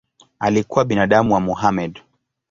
Alikuwa binamu wa Mohamed.